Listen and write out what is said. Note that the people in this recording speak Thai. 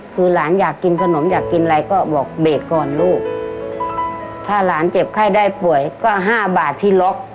คือหลานอยากกินขนมอยากกินอะไรก็บอกเบรกก่อนลูกถ้าหลานเจ็บไข้ได้ป่วยก็ห้าบาทที่ล็อก